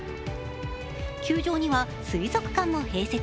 球場には水族館も併設。